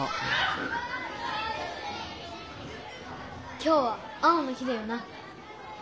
今日は青の日だよな！